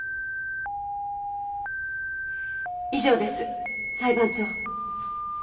以上です裁判長。